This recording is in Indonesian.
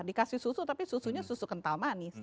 dikasih susu tapi susunya susu kental manis